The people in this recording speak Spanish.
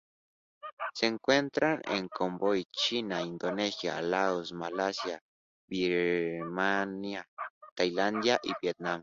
Se encuentra en Camboya, China, Indonesia, Laos, Malasia, Birmania, Tailandia y Vietnam.